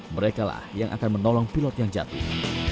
mereka lah yang akan menolong pilot yang jatuh